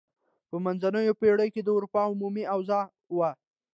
په منځنیو پیړیو کې د اروپا عمومي اوضاع وه.